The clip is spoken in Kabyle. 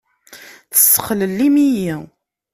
Tessexlellim-iyi!